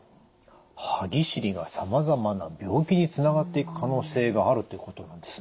歯ぎしりがさまざまな病気につながっていく可能性があるということなんですね。